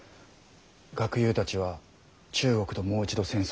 学友たちは「中国ともう一度戦争しろ。